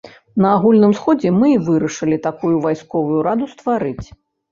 На агульным сходзе мы і вырашылі такую вайсковую раду стварыць.